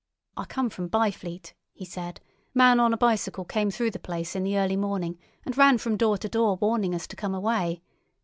"I come from Byfleet," he said; "a man on a bicycle came through the place in the early morning, and ran from door to door warning us to come away.